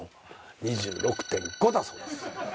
２６．５だそうです。